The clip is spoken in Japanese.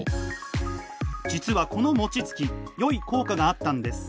実はこのもちつきよい効果があったんです。